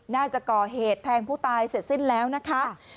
น่าจะก่อเหตุแทงผู้ตายเสร็จสิ้นแล้วนะคะ